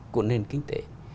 của nền kinh tế